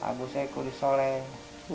agusnya ikut soleh